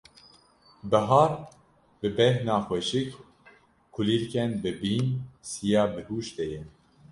Bihar; bi bêhna xweşik, kulîlkên bibîn, siya bihuştê ye.